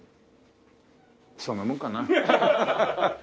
そんなもんかな。